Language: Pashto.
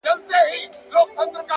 لوړ همت ناامیدي کمزورې کوي.!